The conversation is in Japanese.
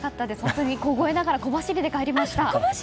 本当に凍えながら小走りで帰りました。